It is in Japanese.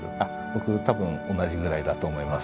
僕多分同じぐらいだと思います。